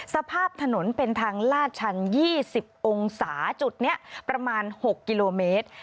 สภาพถนนเป็นทางลาดชัน๒๐องศาจุดนี้ประมาณ๖กิโลเมตร